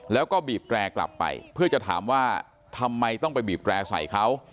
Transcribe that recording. แล้วก็บีบแตรกลับไปเพื่อจะถามว่าทำไมต้องไปบีบแร่ใส่เขา